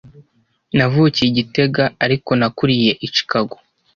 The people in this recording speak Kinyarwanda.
Navukiye i gitega, ariko nakuriye i Chicago.